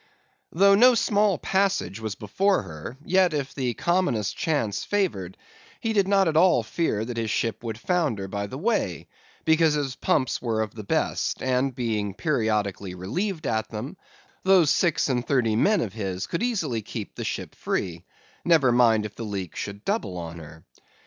"Though no small passage was before her, yet, if the commonest chance favoured, he did not at all fear that his ship would founder by the way, because his pumps were of the best, and being periodically relieved at them, those six and thirty men of his could easily keep the ship free; never mind if the leak should double on her.